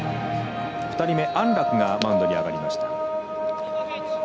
２人目安樂がマウンドに上がりました。